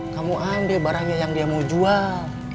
kamu ambil barangnya yang dia mau jual